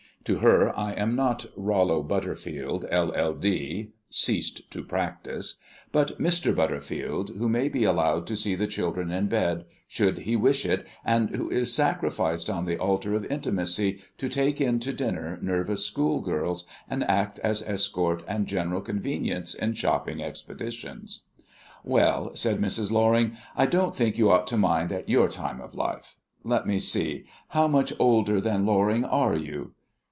To her I am not Rollo Butterfield, LL.D. (ceased to practise), but Mr. Butterfield, who may be allowed to see the children in bed, should he wish it, and who is sacrificed on the altar of intimacy to take in to dinner nervous schoolgirls, and act as escort and general convenience in shopping expeditions. "Well," said Mrs. Loring, "I don't think you ought to mind at your time of life. Let me see, how much older than Loring are you?"